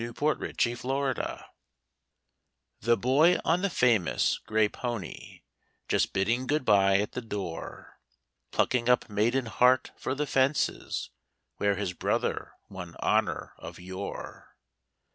THE DELECTABLE DAY The boy on the famous gray pony, Just bidding good bye at the door, Plucking up maiden heart for the fences Where his brother won honour of yore.